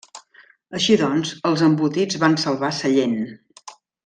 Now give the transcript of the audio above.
Així doncs, els Embotits van salvar Sallent.